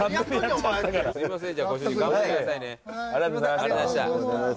ありがとうございます。